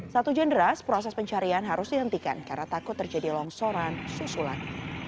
saat hujan deras proses pencarian harus dihentikan karena takut terjadi longsoran susulan